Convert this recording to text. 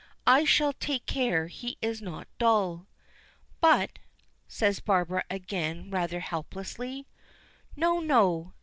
"I shall take care he is not dull." "But," says Barbara, again, rather helplessly. "No, no.